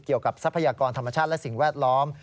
เกี่ยวกับทรัพยากรธรรมชาติและสิ่งแวดล้อม